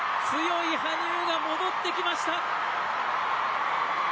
強い羽生が戻ってきました！